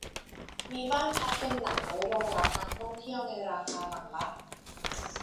มีบ้านพักเป็นหลังไว้รองรับนักท่องเที่ยวในราคาหลังละ